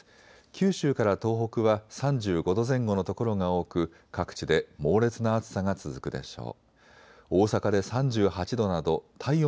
九州から東北は３５度前後の所が多く各地で猛烈な暑さが続くでしょう。